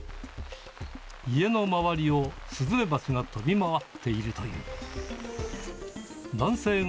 家の周りをスズメバチが飛び回っているという。